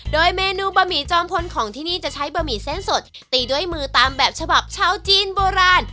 โดยเมนูบะหมี่จอมพลของที่นี่จะใช้บะหมี่เส้นสดตีด้วยมือตามแบบฉบับชาวจีนโบราณ